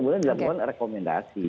kemudian dilakukan rekomendasi